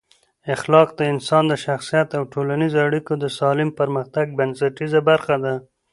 اخلاق د انسان د شخصیت او ټولنیزو اړیکو د سالم پرمختګ بنسټیزه برخه ده.